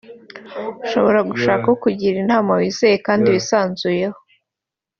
ushobora gushaka ukugira inama wizeye kandi wisanzuyeho